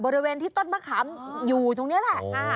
บริเวณที่ต้นมะขามอยู่ตรงนี้แหละ